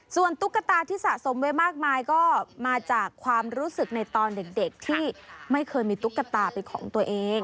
ส่วนตุ๊กตาที่สะสมไว้มากมายก็มาจากความรู้สึกในตอนเด็กที่ไม่เคยมีตุ๊กตาเป็นของตัวเอง